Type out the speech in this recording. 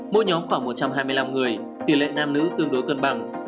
mỗi nhóm khoảng một trăm hai mươi năm người tỷ lệ nam nữ tương đối cân bằng